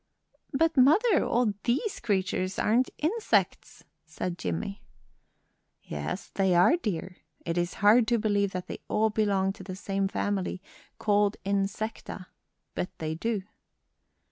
"But, mother, all these creatures aren't insects," said Jimmie. "Yes, they are, dear. It is hard to believe that they all belong to the same family called insecta, but they do."